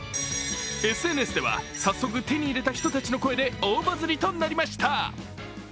ＳＮＳでは、早速手に入れた人たちの声で大バズりとなりました。